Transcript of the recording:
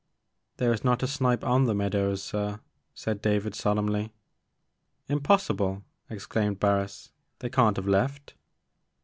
" There is not a snipe on the meadows, sir," said David solemnly. Impossible," exclaimed Barris, "they can't have left."